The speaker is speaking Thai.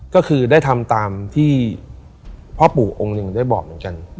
ก็คือได้ทำตามที่พ่อปู่องค์หนึ่งได้บอกเหมือนกัน